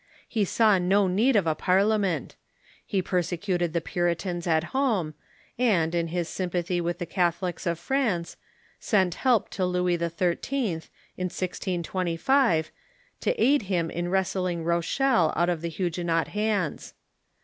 He saw no need of a parliament. He persecuted the Puritans at home, and, in his sympathy with the Catholics of France, sent help to Louis XHI., in 1025, to aid him in wresting Rochelle out of the Huguenot hands.